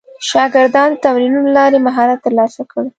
شاګردان د تمرینونو له لارې مهارت ترلاسه کړل.